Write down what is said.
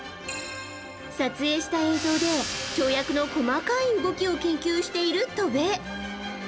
撮影した映像で跳躍の細かい動きを研究している戸邉。